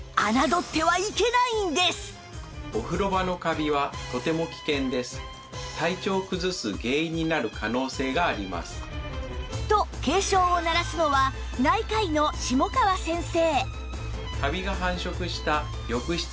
実はこのようなと警鐘を鳴らすのは内科医の下川先生